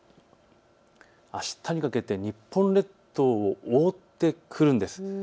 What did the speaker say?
あしたにかけて日本列島を覆ってくるんです。